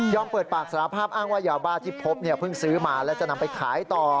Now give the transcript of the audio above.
เปิดปากสารภาพอ้างว่ายาบ้าที่พบเนี่ยเพิ่งซื้อมาแล้วจะนำไปขายต่อ